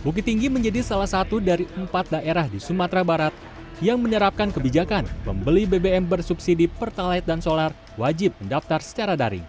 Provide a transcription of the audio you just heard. bukit tinggi menjadi salah satu dari empat daerah di sumatera barat yang menerapkan kebijakan pembeli bbm bersubsidi pertalite dan solar wajib mendaftar secara daring